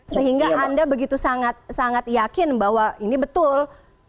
sehingga anda begitu sangat yakin bahwa ini betul